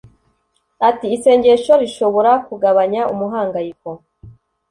Ati “ Isengesho rishobora kugabanya umuhangayiko